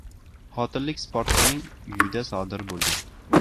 Qotillik sportchining uyida sodir bo‘lgan